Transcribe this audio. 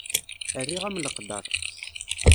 Rriɣ-am leqder.